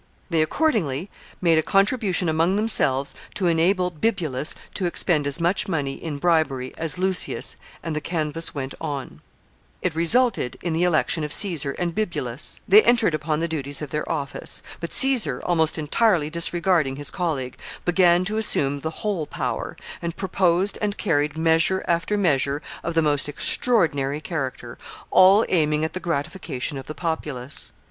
They accordingly made a contribution among themselves to enable Bibulus to expend as much money in bribery as Lucceius, and the canvass went on. [Sidenote: Caesar assumes the whole power.] [Sidenote: He imprisons Cato.] It resulted in the election of Caesar and Bibulus. They entered upon the duties of their office; but Caesar, almost entirely disregarding his colleague, began to assume the whole power, and proposed and carried measure after measure of the most extraordinary character, all aiming at the gratification of the populace.